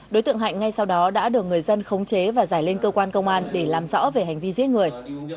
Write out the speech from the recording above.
đối tượng hạnh ngay sau đó đã được người dân khống chế và giải lên cơ quan công an để làm rõ về hành vi giết người